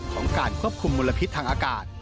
ของการควบคุมมลพิษทางอากาศ